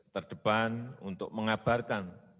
terdepan untuk mengabarkan